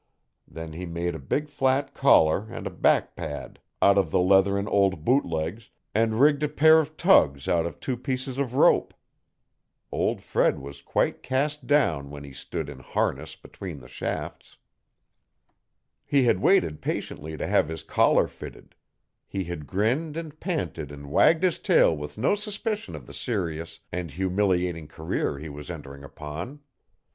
Then he made a big flat collar and a back pad out of the leather in old boot legs, and rigged a pair of tugs out of two pieces of rope. Old Fred was quite cast down when he stood in harness between the shafts. He had waited patiently to have his collar fitted; he had grinned and panted and wagged his tail with no suspicion of the serious and humiliating career he was entering upon.